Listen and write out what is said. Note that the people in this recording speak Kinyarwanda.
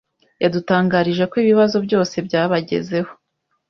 yadutangarije ko ibibazo byose byabagezeho